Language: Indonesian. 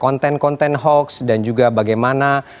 konten konten hoax dan juga bagaimana